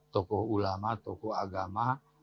tokoh ulama tokoh agama